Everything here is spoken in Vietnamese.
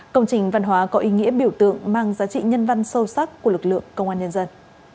công trình văn hóa có ý nghĩa biểu tượng mang giá trị nhân văn sâu sắc của lực lượng công an nhân dân